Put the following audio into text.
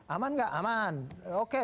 aman gak aman oke